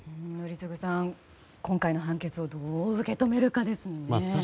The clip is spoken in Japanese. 宜嗣さん、今回の判決をどう受け止めるかですね。